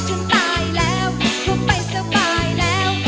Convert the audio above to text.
จีบได้แฟนที่ไม่มีแล้ว